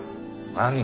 何？